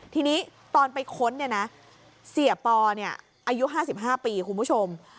ทีนี้ตอนไปค้นเนี่ยนะเสียปออายุ๕๕ปีคุณผู้ชม